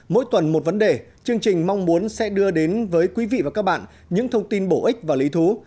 mỗi tuần một vấn đề chương trình mong muốn sẽ đưa đến với quý vị và các bạn những thông tin bổ ích và lý thú